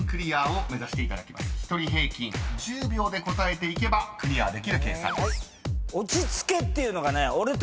［１人平均１０秒で答えていけばクリアできる計算です］